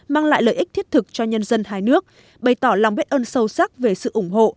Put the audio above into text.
mang lại lợi ích thiết thực cho nhân dân hai nước bày tỏ lòng biết ơn sâu sắc về sự ủng hộ